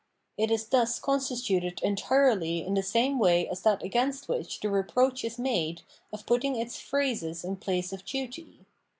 It is thus constituted entirely in the same way as that against which the reproach is made of putting its phrases in place of duty.